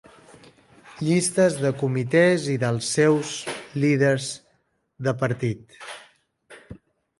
Llistes de comitès i dels seus líders de partit.